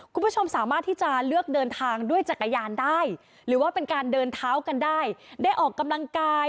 คุณผู้ชมสามารถที่จะเลือกเดินทางด้วยจักรยานได้หรือว่าเป็นการเดินเท้ากันได้ได้ออกกำลังกาย